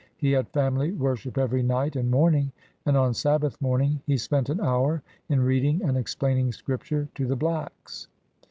He had family worship every night and morning, and on Sabbath morning, he spent an hour in reading and explaining Scripture to the blacks.